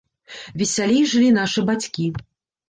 Весялей жылі нашы бацькі.